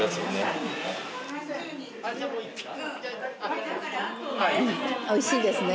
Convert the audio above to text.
うんおいしいですね。